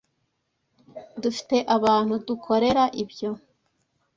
Dufite abantu badukorera ibyo.